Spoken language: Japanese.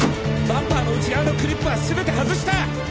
バンパーの内側のクリップは全て外した！